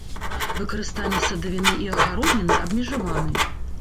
Выкарыстанне садавіны і агародніны абмежаваны.